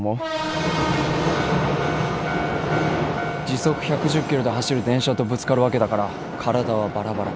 時速１１０キロで走る電車とぶつかるわけだから体はばらばら。